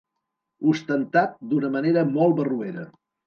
Ostentat d'una manera molt barroera.